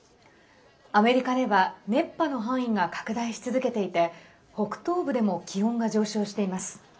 アメリカでは熱波の範囲が拡大し続けていて北東部でも気温が上昇しています。